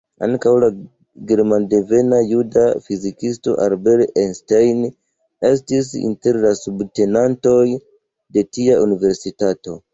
Ankaŭ la germandevena juda fizikisto Albert Einstein estis inter la subtenantoj de tia universitato.